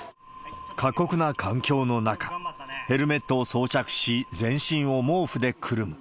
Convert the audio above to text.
過酷な環境の中、ヘルメットを装着し、全身を毛布でくるむ。